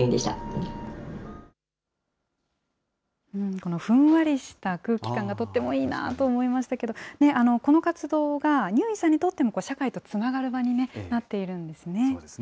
このふんわりした空気感がとってもいいなと思いましたけど、この活動がにゅーいんさんにとっての社会とつながる場になっていそうですね。